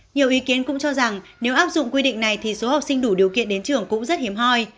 nhiều ý kiến cũng cho rằng nếu áp dụng quy định này thì số học sinh đủ điều kiện đến trường cũng rất hiếm hoi